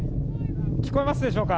聞こえますでしょうか。